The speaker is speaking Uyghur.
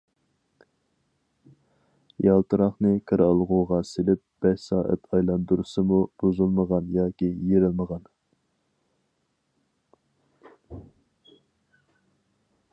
يالتىراقنى كىرئالغۇغا سېلىپ بەش سائەت ئايلاندۇرسىمۇ بۇزۇلمىغان ياكى يېرىلمىغان.